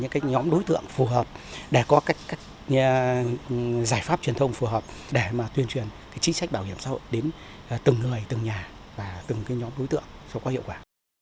các nhóm đối tượng phù hợp để có các giải pháp truyền thông phù hợp để tuyên truyền chính sách bảo hiểm xã hội đến từng người từng nhà và từng nhóm đối tượng cho có hiệu quả